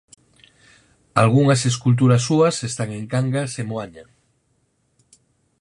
Algunhas esculturas súas están en Cangas e Moaña.